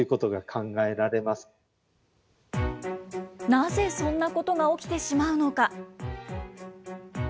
なぜ、そんなことが起きてしまうのか。